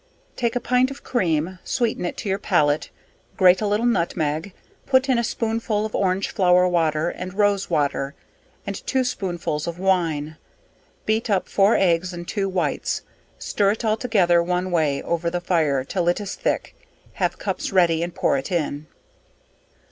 Take a pint of cream, sweeten it to your pallate, grate a little nutmeg, put in a spoonful of orange flower water and rose water, and two sponfuls of wine; beat up four eggs and two whites, stir it all together one way over the fire till it is thick, have cups ready and pour it in.